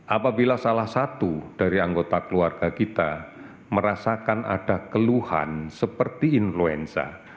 apabila salah satu dari anggota keluarga kita merasakan ada keluhan seperti influenza